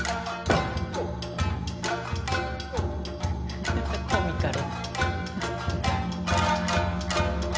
フフコミカル。